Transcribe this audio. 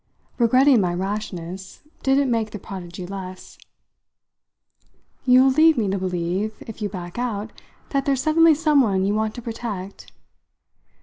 Regretting my rashness didn't make the prodigy less. "You'll lead me to believe, if you back out, that there's suddenly someone you want to protect.